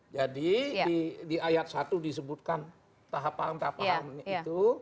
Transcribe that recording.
jadi di ayat satu disebutkan tahap paham tahap paham itu